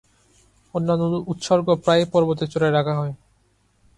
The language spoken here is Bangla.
অন্যান্য উৎসর্গ প্রায়ই পর্বতের চূড়ায় রাখা হয়।